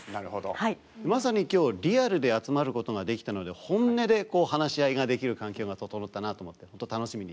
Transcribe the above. まさに今日リアルで集まることができたので本音で話し合いができる環境が整ったなあと思って楽しみにしています。